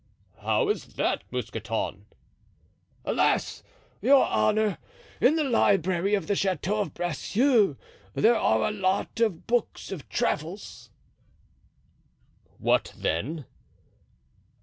"How is that, Mousqueton? "Alas! your honor, in the library of the Chateau of Bracieux there are a lot of books of travels." "What then?"